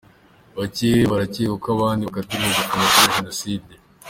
Bake bararekurwa abandi bakatirwa gufungwa kubera Jenoside.